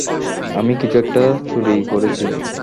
আমি কিছু একটা চুরি করেছি।